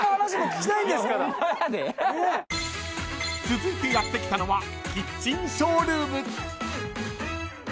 ［続いてやって来たのはキッチンショールーム］